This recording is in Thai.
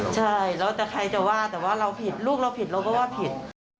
ใช่แล้วแต่ใครจะว่าแต่ว่าเราผิดลูกเราผิดเราก็ว่าผิด